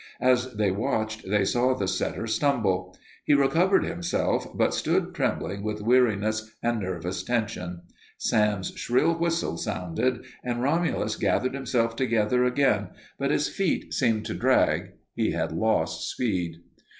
As they watched, they saw the setter stumble. He recovered himself, but stood trembling with weariness and nervous tension. Sam's shrill whistle sounded and Romulus gathered himself together again, but his feet seemed to drag; he had lost speed.